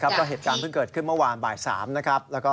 ก็เหตุการณ์เพิ่งเกิดขึ้นเมื่อวานบ่าย๓นะครับ